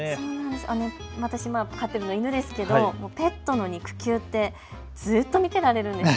飼っているのは犬ですけどペットの肉球ってずっと見てられるんです。